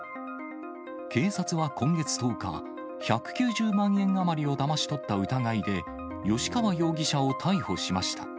警察は今月１０日、１９０万円余りをだまし取った疑いで、吉川容疑者を逮捕しました。